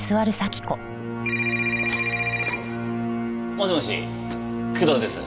もしもし工藤です。